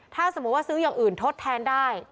ถ้าสมมุติว่าซื้ออย่างอื่นทดแทนได้